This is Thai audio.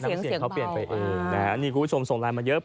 เสียงเขาเปลี่ยนไปนี่คุณผู้ชมส่งลายมาเยอะ